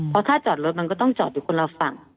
เพราะถ้าจอดรถมันก็ต้องจอดอยู่คนละฝั่ง